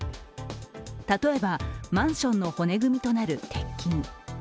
例えばマンションの骨組みとなる鉄筋。